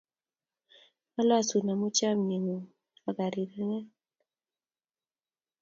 Alosun amu chamnyeng'ung' ak rirenten ne babeku